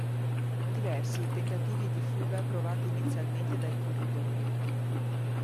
Diversi i tentativi di fuga provati inizialmente dai corridori.